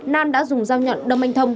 nam đã dùng dao nhọn đông anh thông